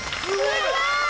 すごーい！